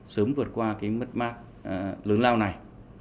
sớm vượt qua mất mát lớn lao này